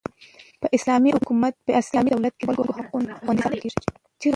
په اسلامي دولت کښي د خلکو حقونه خوندي ساتل کیږي.